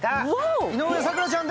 井上咲楽ちゃん